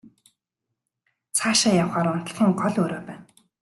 Цаашаа явахаар унтлагын гол өрөө байна.